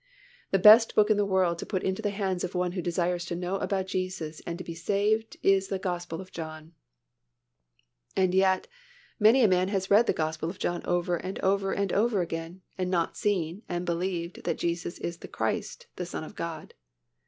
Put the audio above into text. The best book in the world to put into the hands of one who desires to know about Jesus and to be saved is the Gospel of John. And yet many a man has read the Gospel of John over and over and over again and not seen and believed that Jesus is the Christ, the Son of God.